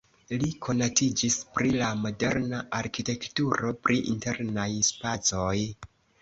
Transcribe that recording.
Li konatiĝis pri la moderna arkitekturo pri internaj spacoj.